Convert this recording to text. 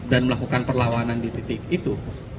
dan melakukan perlawanan di titik itu